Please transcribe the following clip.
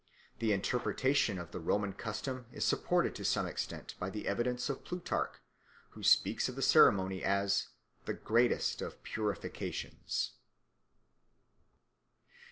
This interpretation of the Roman custom is supported to some extent by the evidence of Plutarch, who speaks of the ceremony as "the greatest of purifications."